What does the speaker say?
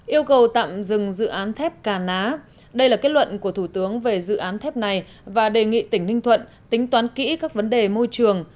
yêu cầu tạm dừng dự án thép cà ná đây là kết luận của thủ tướng về dự án thép này và đề nghị tỉnh ninh thuận tính toán kỹ các vấn đề môi trường